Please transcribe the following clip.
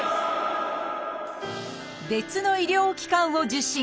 別の医療機関を受診。